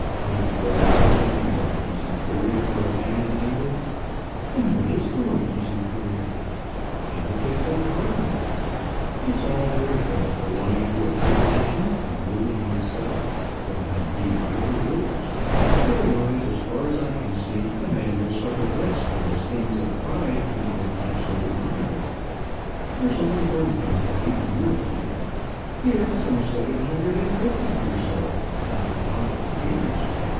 "After all, there's only one decent career for a man in England." "And what is the one decent career?" "Politics and Parliament. It's all very well belonging to a free nation, and ruling oneself, if one can be one of the rulers. Otherwise, as far as I can see, a man will suffer less from the stings of pride under an absolute monarch. There, only one man has beaten you in life; here, some seven hundred and fifty do so, not to talk of the peers."